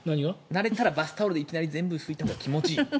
慣れたらバスタオルでいきなり全部拭いたほうが気持ちいい。